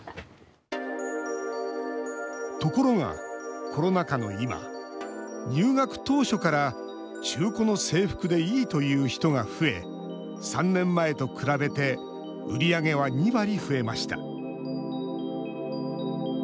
ところが、コロナ禍の今、入学当初から中古の制服でいいという人が増え、３年前と比べて売り上げは２割増えました。